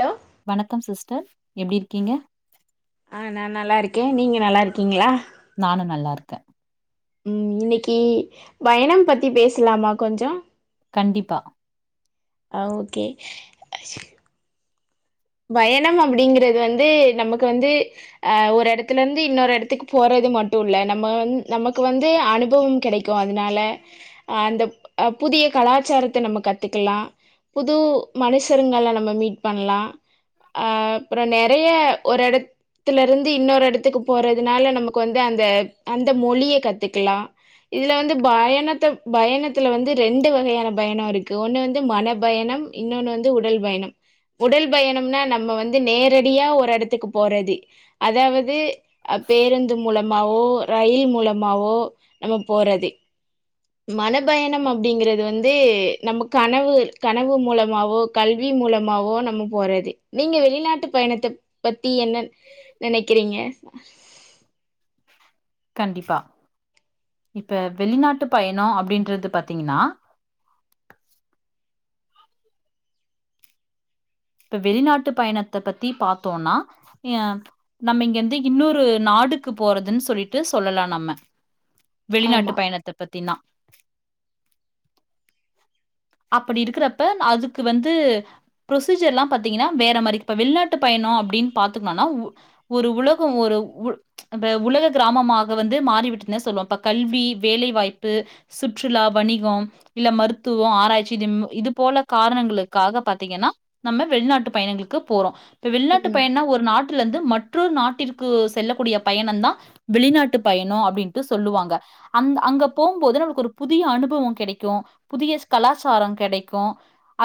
Hello வணக்கம் sister எப்டி இருக்கிங்க ஆ நா நல்லா இருக்கே நீங்க நல்லாருக்கிங்ளா நானு நல்லாருக்க ம் இன்னைக்கு பயணம் பத்தி பேசலாமா கொஞ்சோ கண்டிப்பா ஆ ஓகே பயணம் அப்பிடிங்கிறது வந்து நமக்கு வந்து அ ஒரு எடத்துலருந்து இன்னொரு எடத்துக்கு போறது மட்டு இல்ல நம்ம வந் நமக்கு வந்து அனுபவம் கெடைக்கு அதனால அ அந்த புதிய கலாச்சாரத்த நம்ம கத்துக்கலா புது மனுஷருங்கள நம்ம மீட் பண்லா அ அப்புற நெறைய ஒரு எடத்லருந்து இன்னொரு எடத்துக்கு போறதுனால நமக்கு வந்து அந்த- அந்த மொழியக் கத்துக்கலா இதுல வந்து பயணத்த பயணத்துல வந்து ரெண்டு வகையான பயணோ இருக்கு ஒண்ணு வந்து மன பயணம் இன்னொன்னு வந்து உடல் பயணம் உடல் பயணம்னா நம்ம வந்து நேரடியா ஒரு எடத்துக்கு போறது அதாவது அ பேருந்து மூலமாவோ ரயில் மூலமாவோ நம்ம போறது மன பயணம் அப்பிடிங்கிறது வந்து நம்ம கனவு -கனவு மூலமாவோ கல்வி மூலமாவோ நம்ம போறது நீங்க வெளிநாட்டுப் பயணத்தப் பத்தி என்ன நெனக்கிறீங்க கண்டிப்பா இப்ப வெளிநாட்டு பயணோ அப்படின்றது பாத்தீங்கன்னா இப்ப வெளிநாட்டுப் பயணத்த பத்தி பாத்தோனா அ நம்ம இங்க இருந்து இன்னொரு நாடுக்கு போறதுன் சொல்லிட்டு சொல்லலா நம்ம ஆமா. வெளிநாட்டு பயணத்த பத்தினா அப்படி இருக்குறப்ப அதுக்கு வந்து ப்ரோசீஜர் எல்லா பாத்தீங்கனா வேற மாரி இப்ப வெளிநாட்டுப் பயணோ அப்படின் பாத்திருந்தோனா உ ஒரு உலகோ ஒரு உல் ப்ச் அந்த உலக கிராமமாக வந்து மாறிவிட்டுனு சொல்லுவோ இப்ப கல்வி வேலைவாய்ப்பு சுற்றுலா வணிகோ இல்ல மருத்து ஆராய்ச்சி திம் இது போல காரணங்களுக்காக பாத்தீங்கன்னா நம்ம வெளிநாட்டுப் பயணங்களுக்கு போறோ இப்ப வெளிநாட்டுப் ம். பயணோ ஒரு நாட்டுலருந்து மட் ற்று நாட்டிற்கு செல்லக்கூடிய பயண தா வெளிநாட்டு பயணோ அப்டின்ட்டு சொல்லுவாங்க அந்த் அங்க போகும்போது நம்மளுக்கு ஒரு புதிய அனுபவோ கெடைக்கு புதிய கலாச்சாரோ கெடைக்கு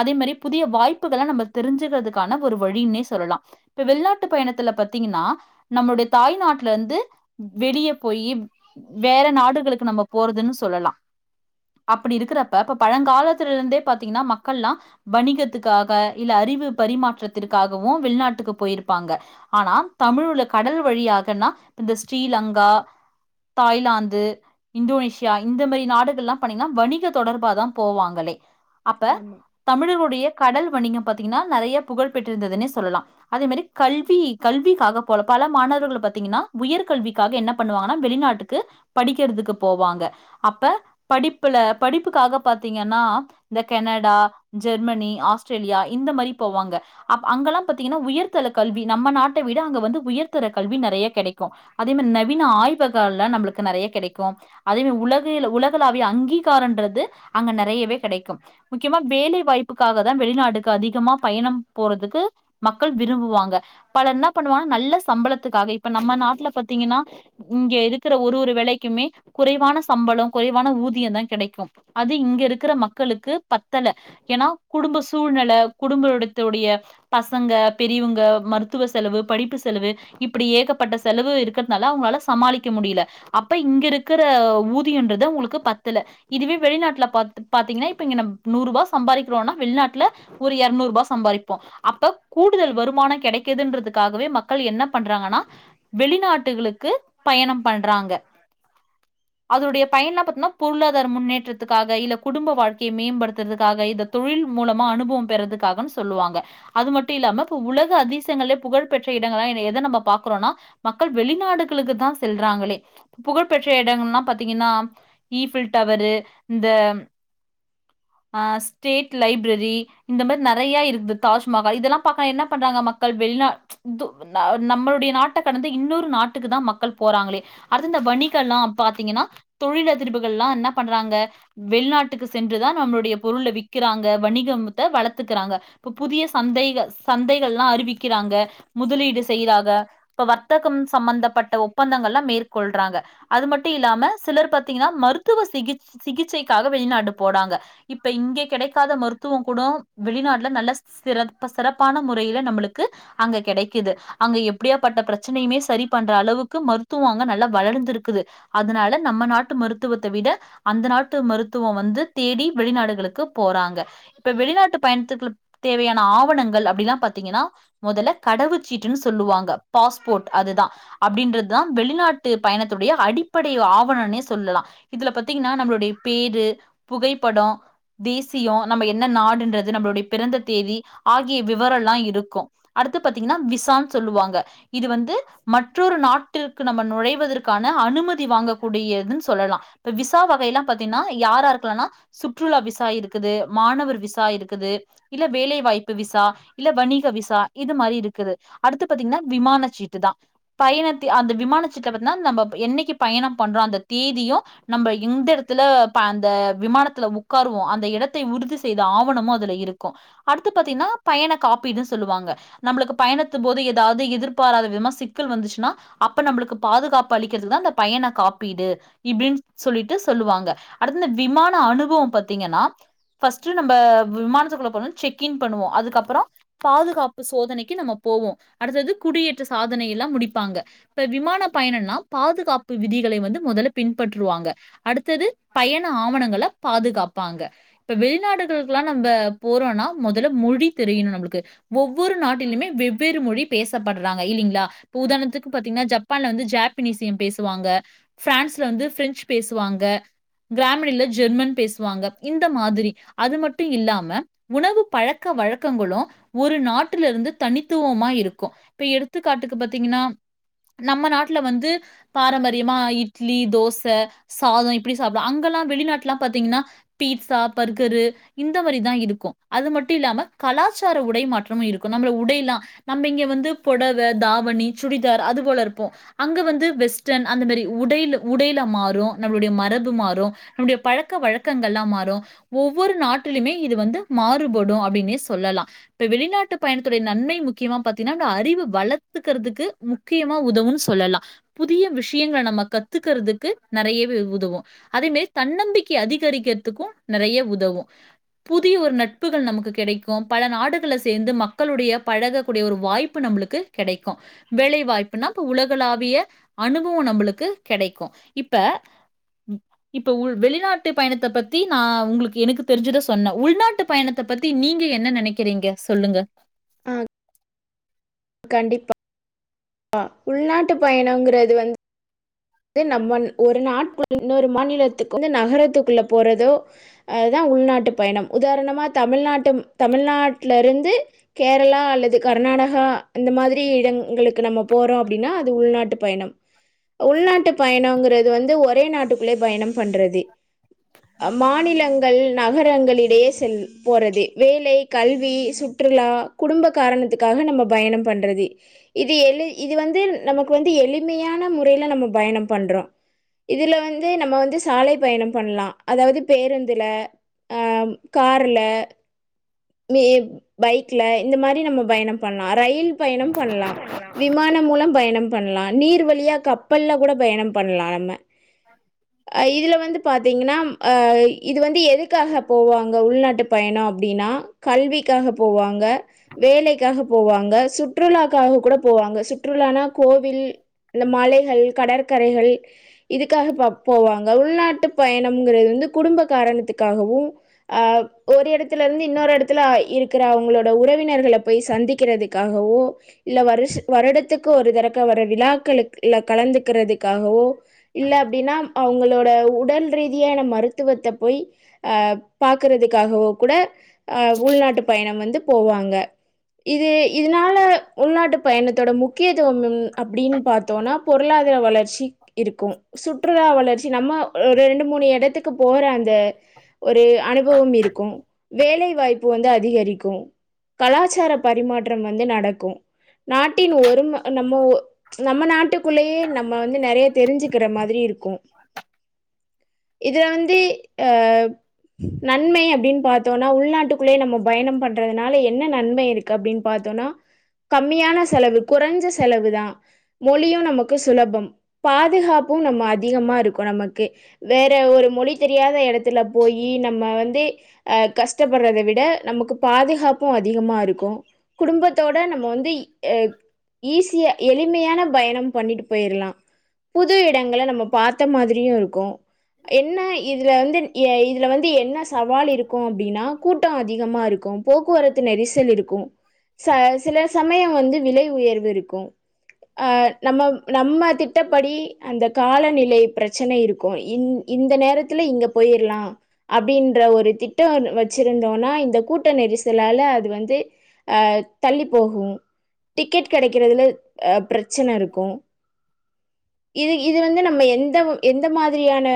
அதே மாரி புதிய வாய்ப்புகள நம்ம தெரிஞ்சுக்கிறதுக்கான ஒரு வழின்னே சொல்லலா இப்ப வெளிநாட்டுப் பயணத்துல பாத்தீங்கன்னா நம்மளுடைய தாய் நாட்டுலருந்து வெளிய போய் வேற நாடுகளுக்கு நம்ம போறதுன்னு சொல்லலா அப்படி இருக்கிறப்ப இப் பழங்காலத்துலருந்தே பாத்தீங்கன்னா மக்கள்லா வணிகத்துக்காக இல்ல அறிவு பரிமாற்றத்திற்காகவு வெளிநாட்டுக்குப் போயிருப்பாங்க ஆனா தமிழுல கடல் வழியாகன்னா இந்த ஸ்ரீலங்கா தாய்லாந்து இந்தோனேஷியா இந்த மாரி நாடுகள்லா பனீங்கன்னா வணிக தொடர்பா தா போவாங்களே அப்ப ஆமா. தமிழருடைய கடல் வணிக பாத்தீங்கன்னா நெறைய புகழ் பெற்றிருந்ததுனே சொல்லலா அதே மாரி கல்வி கல்விக்காக போல பல மாணவர்கள் பாத்தீங்கனா உயர் கல்விக்காக என்ன பண்ணுவாங்கன்னா வெளிநாட்டுக்கு படிக்கிறதுக்கு போவாங்க அப்ப படிப்புல படிப்புக்காக பாத்தீங்கன்னா இந்த கெனடா ஜெர்மனி ஆஸ்திரேலியா இந்த மாரி போவாங்க அப் அங்கல்லா பாத்தீங்கன்னா உயர்தர கல்வி நம்ம நாட்ட விட அங்க வந்து உயர்தர கல்வி நெறைய கெடைக்கு அதே மாரி நவீன ஆய்வகலா நம்மளுக்கு நெறைய கெடைக்கு அதே மாரி உலக உலகளாவிய அங்கீகாரன்றது அங்க நெறையவே கெடைக்கு முக்கியமா வேலை வாய்ப்புக்காக தா வெளிநாடுக்கு அதிகமா பயணம் போறதுக்கு மக்கள் விரும்புவாங்க பலர் என்ன பண்ணுவாங்கா நல்ல சம்பளத்துக்காக இப்ப நம்ம நாட்டுல பாத்தீங்கன்னா இங்க இருக்கிற ஒரு ஒரு வேலைக்குமே குறைவான சம்பளோ குறைவான ஊதியோந் தா கெடைக்கு அது இங்க இருக்கிற மக்களுக்கு பத்தல ஏன்னா குடும்ப சூழ்நில குடும்ப இடதோடிய பசங்க பெரியவுங்க மருத்துவ செலவு படிப்பு செலவு இப்பிடி ஏகப்பட்ட செலவு இருக்கிறதுனால அவங்களால சமாளிக்க முடியல அப்ப இங்கருக்கிற ஊதியோன்றது உங்களுக்கு பத்தல இதுவே வெளிநாட்டுலப் பாத்து பாத்தீங்கனா இப்ப இங்க நம நூறுவா சம்பாக்கிறோனா வெளிநாட்டுல ஒரு எர் நூறு ரூபா சம்பாரிப்போ அப்ப கூடுதல் வருமானோ கெடைக்குதுன்றுத்துகாகவே மக்கள் என்ன பண்றாங்கன்னா வெளிநாட்டுகளுக்கு பயணம் பண்றாங்க அதனுடைய பயண பாத்துனா பொருளாதார முன்னேற்றத் துக்காக இல்ல குடும்ப வாழ்க்கைய மேம்படுத்துறதுக்காக இந்த தொழில் மூலமா அனுபவம் பெறதுக்காகனு சொல்லுவாங்க அது மட்டு இல்லாம இப்ப உலக அதிசியங்கள புகழ்பெற்ற இடங்கள்லா எத நம்ம பாக்கறோனா மக்கள் வெளிநாடுகளுக்கு தா செல்றாங்களே புகழ்பெற்ற இடங்கள்லா பாத்தீங்கன்னா ஈஃபில் டவரு இந்த ஆ ஸ்டேட் லைப்ரெரி இந்த மாரி நெறைய இருக்குது தாஜ்மஹால் இதெல்லா பாக்க என்ன பண்றாங்க மக்கள் வெளிநா து நா நம்மளுடைய நாட்ட கடந்து இன்னொரு நாட்டுக்கு தா மக்கள் போறாங்களே அடுத்து இந்த வணிகல்லா பாத்தீங்கன்னா தொழிலதிர்புகள்லா என்ன பண்றாங்க வெளிநாட்டுக்கு சென்றுதா நம்மளுடைய பொருள வி்க்கிறாங்க வணிகமத்த வளத்துக்கறாங்க இப்ப புதிய சந்தைக சந்தைகள் எல்லா அறிவிக்கிறாங்க முதலீடு செய்றாங்க இப்ப வர்த்தகம் சம்பந்தப்பட்ட ஒப்பந்தங்கள்லா மேற்கொள்றாங்க அது மட்டு இல்லாம சிலர் பாத்தீங்கன்னா மருத்துவ சிகிச் சிகி சிகிச்சைக்காக வெளிநாடு போறாங்க இப்ப இங்க கெடைக்காத மருத்துவோ கூட வெளிநாட்டுல நல்ல சிறப்பா சிறப்பான முறையில நம்மளுக்கு அங்க கெடைக்குது அங்க எப்படியா பட்ட பிரச்சனையுமே சரி பண்ற அளவுக்கு மருத்துவோ அங்க நல்லா வளர்ந்திருக்குது அதனால நம்ம நாட்டு மருத்துவத்த‌ விட அந்த நாட் டு மருத்துவோ வந்து தேடி வெளிநாடுகளுக்குப் போறாங்க இப்ப வெளிநாட்டுப் பயணத்துக்ள் தேவையான ஆவணங்கள் அப்படீலா பாத்தீங்கனா மொதல கடவுச் சீட்டுனு சொல்லுவாங்க பாஸ்போர்ட் அது தா அப்படின்றதா வெளிநாட்டு பயணத்துடைய அடிப்படை ஆவணனே சொல்லலா இதுல பாத்தீங்கன்னா நம்மளுடைய பேரு புகைப்படோ தேசியோ நம்ம என்ன நாடுன்றது நம்மளுடைய பிறந்த தேதி ஆகிய விவரலா இருக்கு அடுத்து பாத்தீங்கன்னா விசான்னு சொல்லுவாங்க இது வந்து மற்றொரு நாட்டிற்கு நம்ம நுழைவதற்கான அனுமதி வாங்கக் கூடியதுன் சொல்லலா இப்ப விசா வகையெல்லா பாத்தீனா யாரா இருக்கலானா சுற்றுலா விசா இருக்குது மாணவர் விசா இருக்குது இல்ல வேலை வாய்ப்பு விசா இல்ல வணிக விசா இது மாரி இருக்குது அடுத்து பாத்தீங்கனா விமானச் சீட்டு தா பயணத்தி அந்த விமான சீட்ட நம்ம என்னெக்கி பயணோ பண்றோ அந்த தேதியு நம்ம எந்த இடத் த்துல ப அந்த விமானத்துல உக்கார்ருவோ அந்த இடத்தை உறுதி செய்த ஆவணமு அதுல இருக்கு அடுத்து பாத்தீங்கன்னா பயண காப்பீடுன்னு சொல்லுவாங்க நம்மளுக்கு பயணத்த போது ஏதாவது எதிர்பாராத விதமா சிக்கல் வந்துச்சுன்னா அப்ப நம்பளுக்கு பாதுகாப்பு அளிக்கிறதுக்கு தா அந்த பயண காப்பீடு இப்படின் சொல்லிட்டு சொல்லுவாங்க அடுத்தது விமான அனுபவோ பாத்தீங்கன்னா ஃபர்ஸ்ட் நம்ம விமானத்துக்குள்ள போனோன செக் இன் பண்ணுவோ அதுக்கப்புறோ பாதுகாப்பு சோதனைக்கு நம்ம போவோ அடுத்தது குடியேற்ற சாதனையெலா முடிப்பாங்க இப்ப விமான பயணன்னா பாதுகாப்பு விதிகளை வந்து மொதல்ல பின்பற்றுவாங்க அடுத்தது பயண ஆவணங்கள பாதுகாப்பாங்க இப்ப வெளிநாடுகளுக்குல்லாம நம்ப போறோனா மொதல்ல மொழி தெரியணு நம்பளுக்கு ஒவ்வொரு நாட்டிலுமே வெவ்வேறு மொழி பேசப்படுறாங்க இல்லிங்களா இப்ப உதாரணத்துக்குப் பாத்தீங்கன்னா ஜப்பான்ல வந்து ஜாப்னீசியம் பேசுவாங்க ஃபிரான்ஸ்ல வந்து ஃபிரெஞ்சு பேசு சுவாங்க கிராமணில ஜெர்மன் பேசுவாங்க இந்த மாதிரி அது மட்டு இல்லாம உணவு பழக்க வழக்கங்களு ஒரு நாட்டுல இருந்து தனித்துவமா இருக்கு இப்ப எடுத்துக்காட்டுக்கு பாத்தீங்கன்னா நம்ம நாட்டுல வந்து பாரம்பரியமா இட்லி தோச சாதோ இப்பிடி சாப்பிட அங்கெல்லா வெளிநாட்டுலா பாத்தீங்கன்னா பீட்சா பர்கரு இந்த மாரிதா இருக்கு அது மட்டு இல்லாம கலாச்சார உடை மாற்றமு இருக்கு நம்மள உடையெல்லா நம்ம இங்க வந்து பொடவ தாவணி சுடிதார் அது போல இருப்போ அங்க வந்து வெஸ்டன் அந்த மாரி உடைல உடையில மாறு நம்மளுடைய மரபு மாறு நம்முளுடைய பழக்க வழக்கங்கள் எல்லா மாறு ஒவ்வொரு நாட்டிலயுமே இது வந்து மாறுபடு அப்படின்னே சொல்லலா இப்ப வெளிநாட்டு பயணத்துடைய நன்மை முக்கியமா பாத்தீங்ன்னா நம்ம அறிவு வளத்துக்கிறதுக்கு முக்கியமா உதவுன் சொல்லலா புதிய விஷியங்கள நம்ம கத்துக்கிறதுக்கு நெறையவே உதவு அதே மாரி தன்னம்பிக்கை அதிகரிக்கிறதுக்கு நெறைய உதவு புதிய ஒரு நட்புகள் நமக்கு கெடைக்கு பல நாடுகள சேந்து மக்களுடைய பழகக்கூடிய ஒரு வாய்ப்பு நம்மளுக்கு கெடைக்கு வேலை வாய்ப்புனா இப்ப உலகளாவிய அனுபவோ நம்பளுக்கு கெடைக்கு இப்ப இப்ப உள் வெளிநாட்டுப் பயணத்த பத்தி நா உங்களுக்கு எனக்கு தெரிஞ்சுத சொன்னே உள்நாட்டுப் பயணத்த பத்தி நீங்க என்ன நெனைக்கிறீங்க சொல்லுங்க ஆ கண்டிப்பா ஆ உள்நாட்டு பயணோங்கிறது வந் நம்ம ஒரு நாட் இன்னொரு மாநிலத்துக்கு வந்து நகரத்துக்குள்ள போறதோ அதா உள்நாட்டு பயணம் உதாரணமா தமிழ்நாட்டு தமிழ்நாட்டுல இருந்து கேரளா அல்லது கர்நாடகா இந்த மாதிரி இடங்களுக்கு க்கு நம்ம போறோ அப்படின்னா அது உள்நாட்டுப் பயணம் உள்நாட் டு பயணோங்கிறது வந்து ஒரே நாட்டுக்குள்ளே பயணம் பண்றது அ மாநிலங் கள் நகரங்களிடையே செல் போறது வேலை கல்வி சுற்றுலா குடும்ப காரணத்துக்காக நம்ம பயணம் பண்றது இது இது வந்து நமக்கு வந்து எளிமையான முறையில நம்ம பயணம் பண்றோ இதுல வந்து நம்ம வந்து சாலைப் பயணம் பண்லா அதாவது பேருந்துல ஆ காருல மே பைக்ல இந்த மாரி நம்ம பயணம் பண்லா ரயில் பயணம் பண்லா விமானம் மூலம் பயணம் பண்லா நீர் வழியா கப்பல்லக் கூட பயணம் பண்லா நம்ம அஹ் இதுல வந்து பாத்தீங்கன்னா அஹ் இது வந்து எதுக்காக போவாங்க உள்நாட் ட்டு பயநோ அப்டின்னா கல்விக்காஹ போவாங்க, வேலைக்காஹ போவாங்க, சுற்றுலாக்காக கூட போவாங்க, சுற்றுலானா கோவில், இந்த மலைகள், கடற்கரைகள் இதுக்காக பா போவாங்க உள்நாட்டு பயணம்ங்கிறது வந்து குடும்ப காரணத்துக்காகவு ஆஹ் ஒரு எடத்துல இருந்து இன்னொரு எடத் த்துல இருக்கிற அவங்களோட உறவினர்கல போய் சந்திக்கிறதுக்காகவோ இல்ல வருஷ வருடத்துக்கு ஒரு தரக்க வர விலாக்களுக்கு இல்ல கலந்துக்கிறதுக்காகவோ இல்ல அப்டின்னா அவங்களோட த உடல் ரீதியான மருத்துவத்த போய் அஹ் பாக்குறதுக்காகவோ கூட அஹ் உள்நாட்டு பயணம் வந்துப் போவாங்க இது இதனால உள்நாட்டு பயணத்தோட முக்கியத்துவம் ம் அப்படின்னு பார்த்தோம்னா பொருளாதார வளர்ச்சி இருக்கு சுற்றுலா வளர்ச்சி நம்ம ஒரு ரெண்டு மூணு இடத்துக்கு போற அந்த ஒரு அனுபவம் இருக்கும் வேலை வாய்ப்பு வந்து அதிகரிக்கு கலாச்சார பரிமாற்றம் வந்து நடக்கு நாட்டின் ஒரும்ம நம்ம ஒ நம்ம நாட்டுக்குள்ளேயே நம்ம வந்து நெறையத் தெரிஞ்சுக்கிற மாதிரி இருக்கு இதுல வந்து அஹ் நன்மை அப்படின்னு பார்த்தோம்னா உள்நாட் நாட்டுக்குள்ளயே நம்ம பயணம் பண்றதுனால என்ன நன்மை இருக்கு அப்படின் பார்த்தோனா கம்மியான செலவு குறைஞ்ச செலவு தா மொழியு நமக்கு சுலபம் பாதுகாப்பும் நம்ம அதிகமா இருக்கு நமக்கோ வேற ஒரு மொழி தெரியாத இடத்துல போயி நம்ம வந்து அஹ் கஷ்டப் வறத விட நமக்கு பாதுகாப்பு அதிகமா இருக்கு குடும்பத்தோட நம்ம வந்து அஹ் ஈஸியா எளிமையான பயணம் பண்ணிட்டு போயிரலா புது இடங்கள நம்ம பார்த்த மாதிரியு இருக்கு என்ன இத் இதுல வந்து எஹ் இதுல வந்து என்னஸ் சவால் இருக்கு அப்டின்னா ட்டோ அதிகமா இருக்கும், போக்குவரத்து நெரிசல் இருக்கும், ச சில சமயம் வந்து விலை உயர்வு இருக்கும், அஹ் நம்ம நம்ம திட்டப்படி அந்த காலநிலை பிரச்சனை இருக்கு, இந் இந்த நேரத்துல இங்க போயிர்லா அப்டின்ற ஒரு திட்ட வந்து வெச் ச்சிருந்தோனா இந்த கூட்ட நெரிசலால அது வந்து அஹ் தள்ளி போகு டிக்கெட் கிடைக்கிறதுல அஹ் பிரச்சன இருக்கு இது இது வந்து நம்ம எந்த எந்த மாதிரியான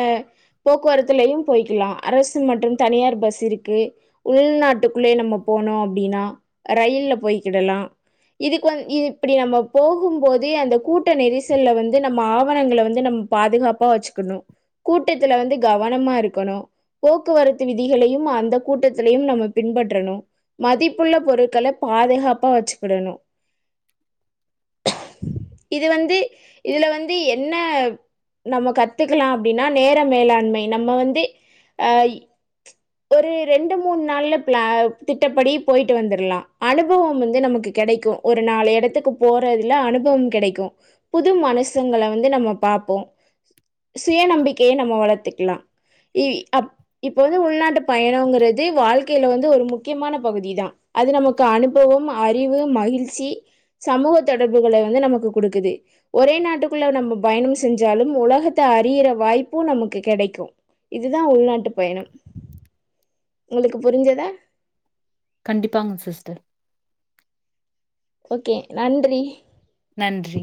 போக்குவரத்துல்லயும் போய்க்கலாம் அரசு மற்றும் தனியார் பஸ் இருக்கு க்கு உள்நாட்டுக்குள்ளே நம்ம போனோ அப்படின்னா ரயில்ல போய்கிடலா இதுக்கு வந்து இத் இப்படி நம்ம போகும் போது அந்த கூட்ட நெரிசல்ல வந்து நம்ம ஆவணங்கள வந்து நம் பாதுகாப்பா வச்சுக்கணு கூட்டத்துல வந்து கவனமா இருக்கணு போக்குவரத்து விதிகளையும் அந்த கூட்டத்திலையும் நம்ம பின்பற்றணு மதிப்புள்ள பொருட்கள பாதுகாப்பா வச்சுக்கிடணு இது வந்து இதுல வந்து என்ன நம்ம கத்துக்கலாம் அப்படின்னா நேர மேலாண்மை நம்ம வந்து அஹ் ஒரு ரெண்டு மூணு நாள்ல பிளா திட்டப்படி போயிட்டு வந்துருலா அனுபவம் வந்து நமக்கு கிடைக்கு ஒரு நாலு இடத்துக்கு போறதுல அனுபவ கிடைக்கு புது மனுசுங்கள வந்து நம்ம பாப்போம் சுய நம்பிக்கைய நம்ம வளர்த்துக்கலா இ அப் இப்ப வந்து உள்நாட்டு ட்டு பயணம்ங்கிறது வாழ்க்கையில வந்து ஒரு முக்கியமான பகுதி தா அது நமக்கு அனுபவம் அறிவு மகிழ்ச்சி சமூக தொடர்புகள வந்து நமக்கு குடுக்குது ஒரே நாட்டுக்குள்ள நம்ம பயணம் செஞ்சாலும் உலகத்தை அறியிற வாய்ப்பு நமக்கு கெடைக்கும் இதுதான் உள்நாட்டு பயணம் உங்களுக்கு புரிஞ்சதா கண்டிப்பாங்க சிஸ்டர் ஓகே நன்றி நன்றி